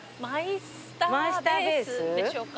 「マイスターベース」でしょうか？